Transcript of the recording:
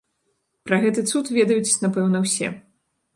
Пра гэты цуд ведаюць, напэўна, усе.